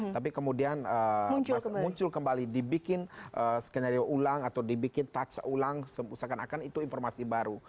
tapi kemudian muncul kembali dibikin skenario ulang atau dibikin touch ulang seakan akan itu informasi baru